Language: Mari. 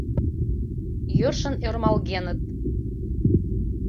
Йӧршын ӧрмалгеныт.